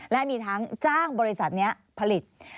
และมีทั้งจ้างบริษัทนี้ผลิต